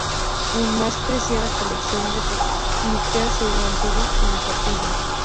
Su más preciada colección de reliquias se mantuvo en la capilla.